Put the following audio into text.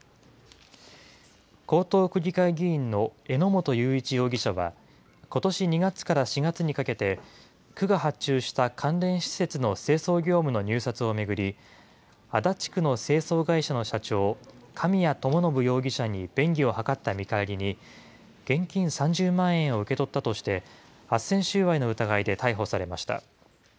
江東区議会議員の榎本雄一容疑者は、ことし２月から４月にかけて、区が発注した関連施設の清掃業務の入札を巡り、足立区の清掃会社の社長、神谷知伸容疑者に便宜を図った見返りに、現金３０万円を受け取ったとして、あっせん収賄の疑いで逮捕されました。